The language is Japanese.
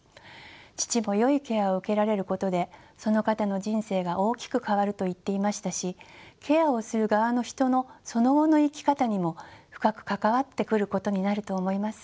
父もよいケアを受けられることでその方の人生が大きく変わると言っていましたしケアをする側の人のその後の生き方にも深く関わってくることになると思います。